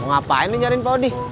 mau ngapain lo nyarin pak odi